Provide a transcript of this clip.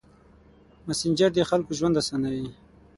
مسېنجر د خلکو ژوند اسانوي.